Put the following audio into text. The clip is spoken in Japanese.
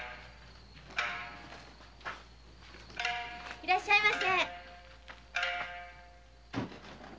いらっしゃいませ。